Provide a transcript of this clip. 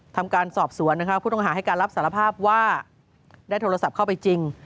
ทำการสอบสวนนะคะผู้ต้องหาให้การรับสารภาพว่าได้โทรศัพท์เข้าไปจริง